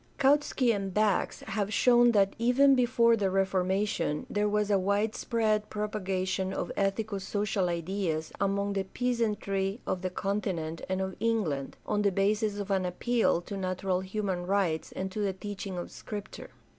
Kautsky and Bax have shown that even before the Reformation there was a widespread propagation of ethico social ideas among the peasantry of the continent and of England, on the basis of an appeal to natural human rights and to the teaching of Scripture.